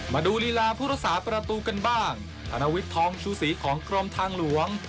มาดูลีลาพุทธศาสตร์ประตูกันบ้างธนวิทย์ทองชูสีของกรมทางหลวง